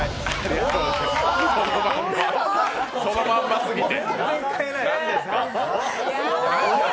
そのまんますぎて。